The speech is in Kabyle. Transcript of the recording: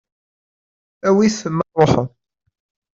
Awi-t ma tṛuḥeḍ.